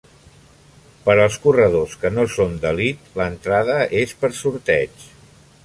Per als corredors que no són d'elit, l'entrada és per sorteig.